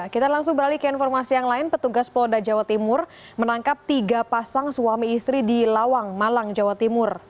kita langsung beralih ke informasi yang lain petugas polda jawa timur menangkap tiga pasang suami istri di lawang malang jawa timur